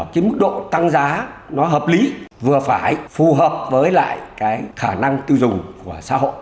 cái mức độ tăng giá nó hợp lý vừa phải phù hợp với lại cái khả năng tiêu dùng của xã hội